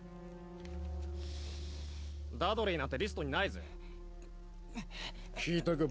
ダドリーなんてリストにないぜ聞いたか？